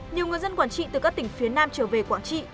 nhiều người dân quảng trị từ các tỉnh phía nam trở về quảng trị